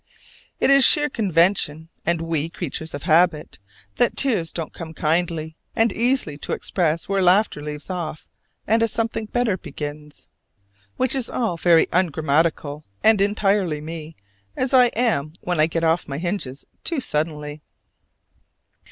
It is sheer convention and we, creatures of habit that tears don't come kindly and easily to express where laughter leaves off and a something better begins. Which is all very ungrammatical and entirely me, as I am when I get off my hinges too suddenly.